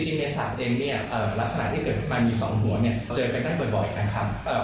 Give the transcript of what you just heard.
จริงในสัตว์เองลักษณะที่เกิดมามีสองหัวเจอเป็นได้บ่อยนะครับ